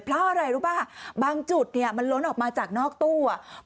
เพราะอะไรรู้ป่ะบางจุดเนี่ยมันล้นออกมาจากนอกตู้อ่ะ